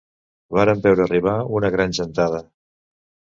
Vàrem veure arribar una gran gentada